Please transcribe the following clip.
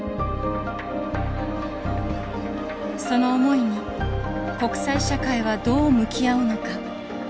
その思いに国際社会はどう向き合うのか。